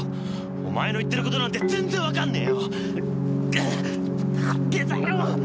お前の言ってる事なんて全然わかんねえよ！